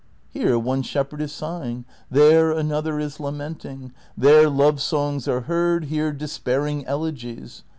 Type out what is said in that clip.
Here one shepherd is sighing, there another is lamenting ; there love songs are heard, here despair ing elegies.